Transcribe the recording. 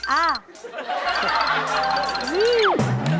อ้าว